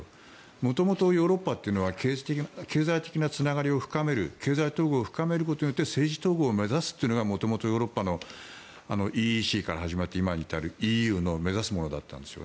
元々ヨーロッパというのは経済的なつながりを深める経済統合を深めることで政治統合を目指すのが元々ヨーロッパのＥＥＣから始まって今に至るＥＵの目指すものです。